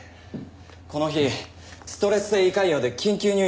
この日ストレス性胃潰瘍で緊急入院しています。